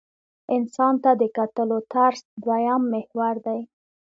انسان ته د کتلو طرز دویم محور دی.